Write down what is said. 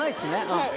はい。